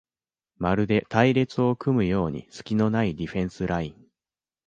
まるで隊列を組むようにすきのないディフェンスライン